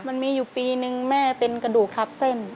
มันมีอยู่ปีนึงแม่เป็นกระดูกทับเส้น